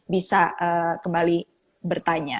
bisa kembali bertanya